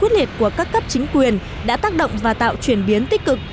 quyết liệt của các cấp chính quyền đã tác động và tạo chuyển biến tích cực